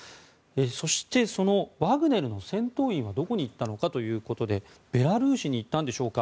そして、そのワグネルの戦闘員はどこに行ったのかということでベラルーシに行ったんでしょうか。